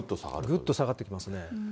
ぐっと下がってきますね。